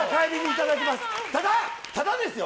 ただですよ！